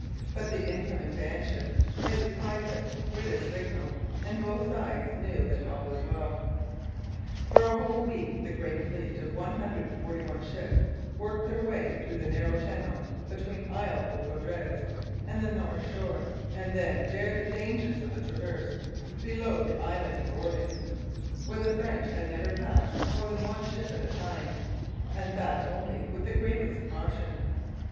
But the incoming vanship made the private British signal, and both sides knew that all was well. For a whole week the great fleet of one hundred and forty one ships worked their way through the narrow channel between Isle aux Coudres and the north shore, and then dared the dangers of the Traverse, below the island of Orleans, where the French had never passed more than one ship at a time, and that only with the greatest caution.